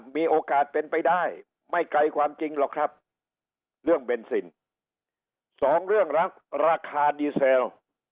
มีโอกาสเป็นไปได้ไม่ไกลความจริงหรอกครับเรื่องเบนซินสองเรื่องรักราคาดีเซล